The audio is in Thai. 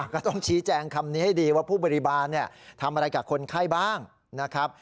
ก็ต้องชี้แจงคำนี้ให้ดีว่าผู้บริบาลทำอะไรกับคนไข้บ้างนะครับ